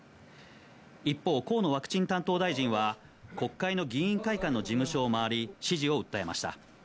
一方、河野ワクチン担当大臣は、国会の議員会館の事務所を回り、支持を訴えました。